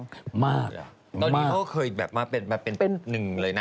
ตอนนี้เขาเคยแบบมาเป็นหนึ่งเลยนะ